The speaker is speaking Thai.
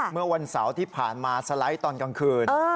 เมื่อวันเสาร์ที่ผ่านมาสไลด์ตอนกลางคืน